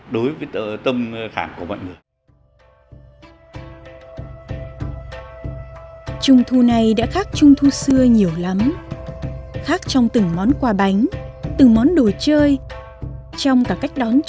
đối với tâm khẳng của mọi người